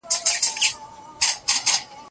ماشومان په پټیو کې د پټ پټوني لوبه کوي.